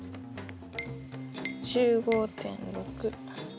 １５．６。